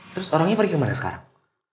terus orangnya pergi kemana sekarang